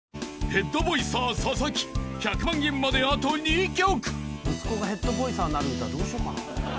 ［ヘッドボイサーササキ１００万円まであと２曲］